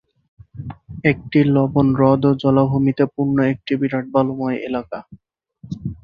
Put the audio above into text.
এটি লবণ হ্রদ ও জলাভূমিতে পূর্ণ একটি বিরাট বালুময় এলাকা।